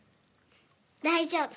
大丈夫。